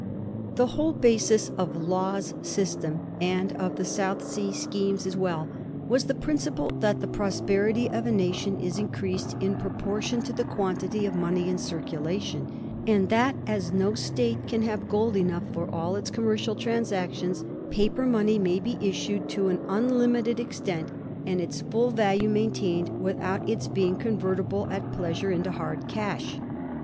The whole basis of Law's system, and of the South Sea Company's schemes as well, was the principle that the prosperity of a nation is increased in pro portion to the quantity of money in circulation ; and that as no state can have gold enough for all its com mercial transactions, paper money may be issued to an imlimited extent, and its full value maintained with out its being convertible at pleasure into hard cash.